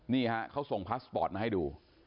นี่ฮะเขาส่งพาสปอร์ตมาให้ดู